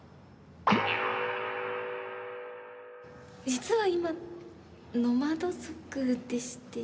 実は今ノマド族でして。